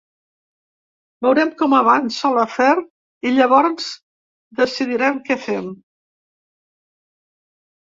Veurem com avança l’afer i llavors decidirem què fem.